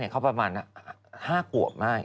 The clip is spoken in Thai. เขาประมาณ๕ขวบมาก